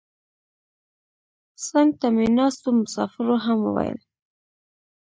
څنګ ته مې ناستو مسافرو هم ویل.